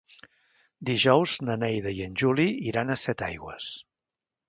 Dijous na Neida i en Juli iran a Setaigües.